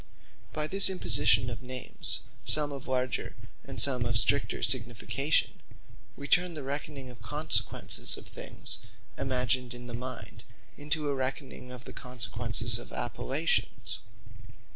By this imposition of Names, some of larger, some of stricter signification, we turn the reckoning of the consequences of things imagined in the mind, into a reckoning of the consequences of Appellations.